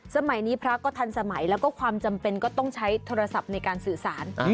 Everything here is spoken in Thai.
สมัยนี้พระก็ทันสมัยแล้วก็ความจำเป็นก็ต้องใช้โทรศัพท์ในการสื่อสาร